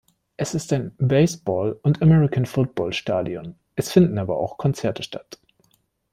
Es ist ein Baseball- und American-Football-Stadion; es finden aber auch Konzerte statt.